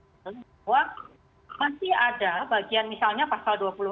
bahwa masih ada bagian misalnya pasal dua puluh enam